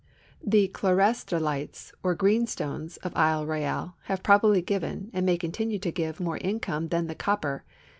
The chlorastrolites or greenstones of Isle Royal have probably given and may continue to give more income than the copj)er.